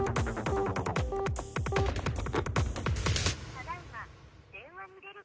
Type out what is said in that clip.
ただいま電話に出ることが。